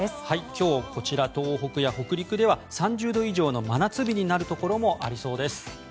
今日こちら東北や北陸では３０度以上の真夏日になるところもありそうです。